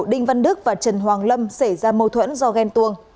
đinh văn đức và trần hoàng lâm xảy ra mâu thuẫn do ghen tuông